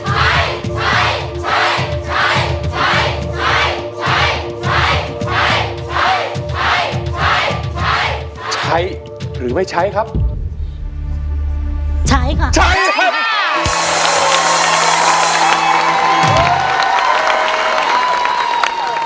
ใช้ใช้หรือไม่ใช้ครับใช้ค่ะใช้ค่ะ